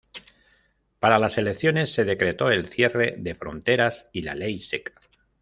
Para las elecciones, se decretó el cierre de fronteras y la ley seca.